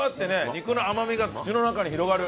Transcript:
肉の甘みが口の中に広がる。